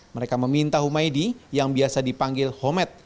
mereka meminta humaydi yang biasa dipanggil homet